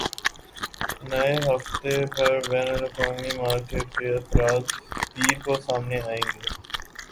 نئے ہفتے پر بین الاقوامی مارکیٹ کے اثرات پیر کو سامنے آئیں گے